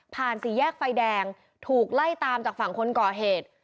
สี่แยกไฟแดงถูกไล่ตามจากฝั่งคนก่อเหตุ